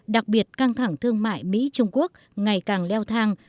đặc biệt căng thẳng thương mại mỹ trung quốc ngày càng leo thang